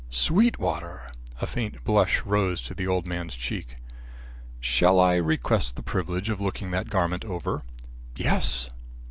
"Sweetwater!" A faint blush rose to the old man's cheek. "Shall I request the privilege of looking that garment over?" "Yes."